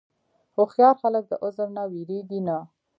هوښیار خلک د عذر نه وېرېږي نه.